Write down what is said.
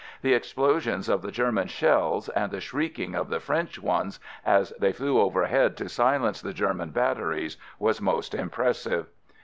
The explosions of the German shells and the shrieking of the French ones as they flew overhead to silence the German batteries was most impressive.